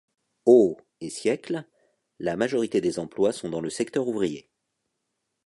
Aux et siècles, la majorité des emplois sont dans le secteur ouvrier.